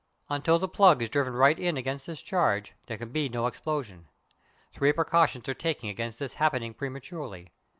Until the plug is driven right in against this charge there can be no explosion. Three precautions are taken against this happening prematurely.